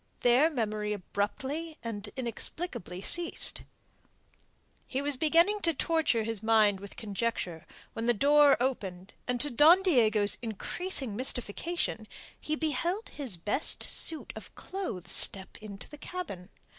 There memory abruptly and inexplicably ceased. He was beginning to torture his mind with conjecture, when the door opened, and to Don Diego's increasing mystification he beheld his best suit of clothes step into the cabin.